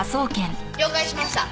了解しました。